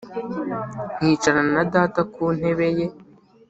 nkicarana na Data ku ntebe ye